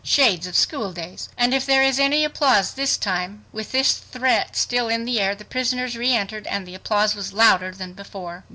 —Shades of school days! "And if there is any applause this time ..." With this threat still in the air, the prisoners reentered and the applause was louder than before.